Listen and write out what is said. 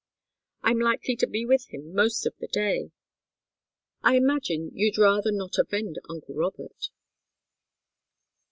I'm likely to be with him most of the day. I imagine you'd rather not offend uncle Robert."